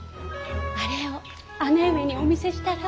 あれを姉上にお見せしたら？